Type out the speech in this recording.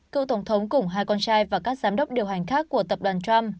cựu tổng thống cùng hai con trai và các giám đốc điều hành khác của tập đoàn trump